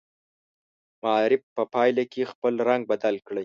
معرف په پایله کې خپل رنګ بدل کړي.